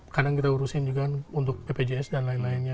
kadang irusin juga untuk bpjs dan lain lainnya